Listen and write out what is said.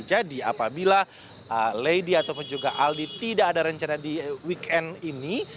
jadi apabila lady ataupun juga aldi tidak ada rencana di weekend ini